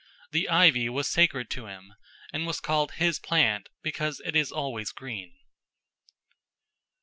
The ivy was sacred to him, and was called his plant because it is always green.